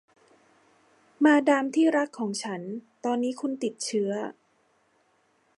มาดามที่รักของฉัน ตอนนี้คุณติดเชื้อ